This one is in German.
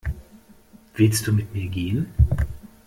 Willst du mit mir gehen?